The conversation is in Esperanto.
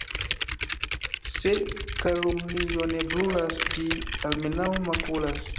Se kalumnio ne brulas, ĝi almenaŭ makulas.